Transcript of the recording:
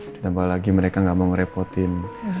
ditambah lagi mereka nggak mau ngerepotin